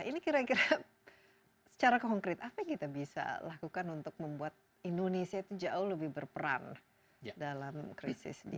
ini kira kira secara konkret apa yang kita bisa lakukan untuk membuat indonesia itu jauh lebih berperan dalam krisis di